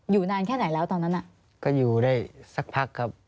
นานแค่ไหนแล้วตอนนั้นน่ะก็อยู่ได้สักพักครับ